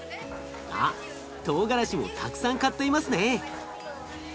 あっトウガラシもたくさん買っていますね！